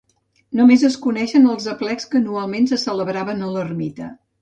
Només es coneixen els aplecs que anualment se celebraven a l'ermita.